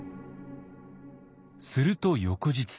すると翌日。